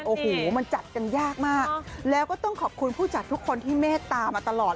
โอ้โหมันจัดกันยากมากแล้วก็ต้องขอบคุณผู้จัดทุกคนที่เมตตามาตลอด